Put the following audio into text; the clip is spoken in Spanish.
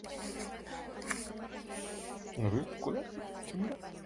Las aletas carecen de radios espinosos.